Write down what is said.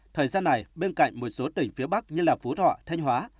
thời gian này bên cạnh một số tỉnh phía bắc như phú thọ thanh hóa